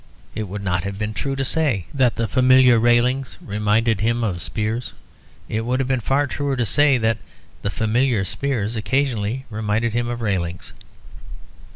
It would not have been true to say that the familiar railings reminded him of spears; it would have been far truer to say that the familiar spears occasionally reminded him of railings.